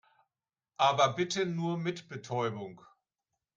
Aber bitte nur mit Betäubung.